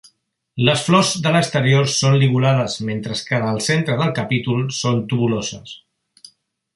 Les flors de l'exterior són ligulades mentre que del centre del capítol són tubuloses.